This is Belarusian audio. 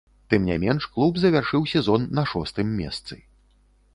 Тым не менш, клуб завяршыў сезон на шостым месцы.